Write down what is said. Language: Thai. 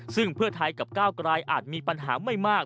ซึ่งเพื่อไทยกับก้าวกลายอาจมีปัญหาไม่มาก